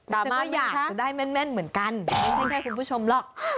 สามารถอยากจะได้แม่นเหมือนกันไม่ใช่แค่คุณผู้ชมหรอก